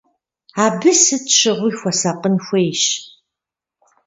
Абы сыт щыгъуи хуэсакъын хуейщ.